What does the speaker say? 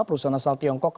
perusahaan asal tiongkok